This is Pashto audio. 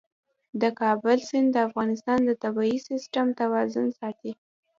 د کابل سیند د افغانستان د طبعي سیسټم توازن ساتي.